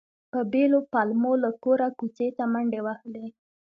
په بېلو پلمو له کوره کوڅې ته منډې وهلې.